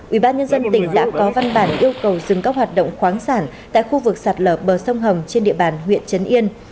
ủy ban nhân dân tỉnh đã có văn bản yêu cầu dừng các hoạt động khoáng sản tại khu vực sạt lở bờ sông hồng trên địa bàn huyện trấn yên